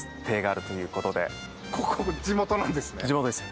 ここ地元なんですね。